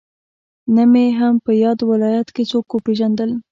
نه مې هم په ياد ولايت کې څوک پېژندل.